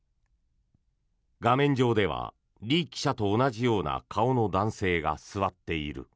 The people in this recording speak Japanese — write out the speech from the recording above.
画面上ではリ記者と同じような顔の男性が座っている。